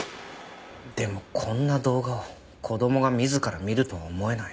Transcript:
でもこんな動画を子供が自ら見るとは思えない。